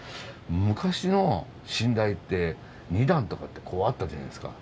昔の寝台って２段とかってこうあったじゃないですか。